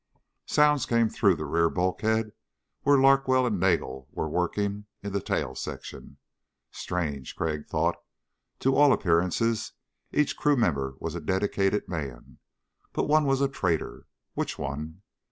Sounds came through the rear bulkhead where Larkwell and Nagel were working in the tail section. Strange, Crag thought, to all appearances each crew member was a dedicated man. But one was a traitor. Which one?